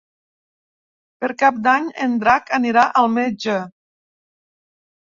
Per Cap d'Any en Drac anirà al metge.